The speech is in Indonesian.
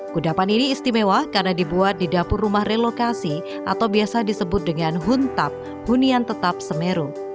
kudapan ini istimewa karena dibuat di dapur rumah relokasi atau biasa disebut dengan huntap hunian tetap semeru